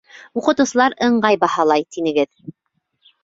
— Уҡытыусылар ыңғай баһалай, тинегеҙ.